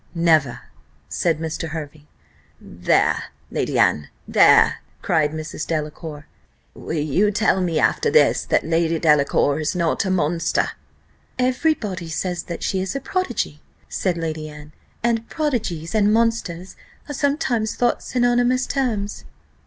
"Never," said Mr. Hervey. "There, Lady Anne! There!" cried Mrs. Delacour, "will you tell me after this, that Lady Delacour is not a monster?" "Every body says that she's a prodigy," said Lady Anne; "and prodigies and monsters are sometimes thought synonymous terms."